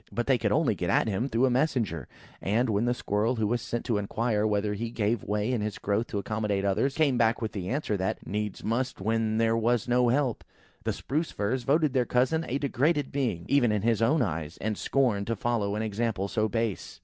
But they could only get at him through a messenger; and, when the Squirrel who was sent to inquire whether he ever gave way in his growth to accommodate others, came back with the answer that, "Needs must when there was no help!" the Spruce firs voted their cousin a degraded being even in his own eyes, and scorned to follow an example so base.